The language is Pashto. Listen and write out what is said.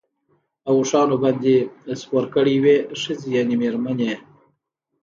او اوښانو باندي سپور کړی وې، ښځي يعني ميرمنې